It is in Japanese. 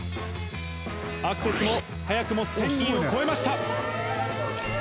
アクセスも早くも１０００人を超えました。